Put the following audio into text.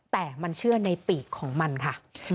แต่มันเชื่อในปีกของมันค่ะ